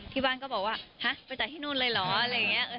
ที่บ้านก็บอกว่าฮะไปจากที่นู่นเลยเหรอ